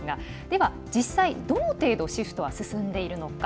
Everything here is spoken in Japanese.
は、実際どの程度シフトは進んでいるのか。